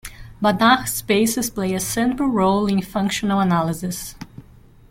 Banach spaces play a central role in functional analysis.